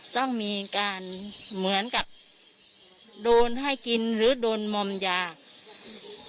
ต้องมีการเหมือนกับโดนให้กินหรือโดนมอมยา